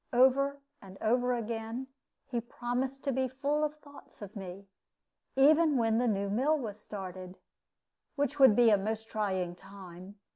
Over and over again he promised to be full of thoughts of me, even when the new mill was started, which would be a most trying time.